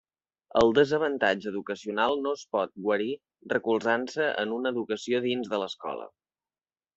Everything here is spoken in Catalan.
El desavantatge educacional no es pot guarir recolzant-se en una educació dins de l'escola.